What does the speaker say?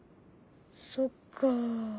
そっか。